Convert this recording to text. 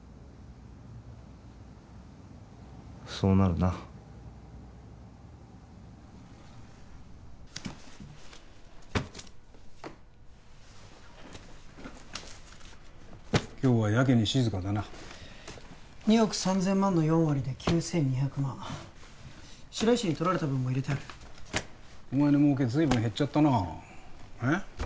そうなるな今日はやけに静かだな２億３０００万の４割で９２００万白石に取られた分も入れてあるお前の儲け随分減っちゃったなえっ？